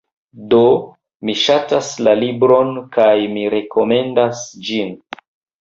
Do, mi ŝatas la libron, kaj mi rekomendas ĝin.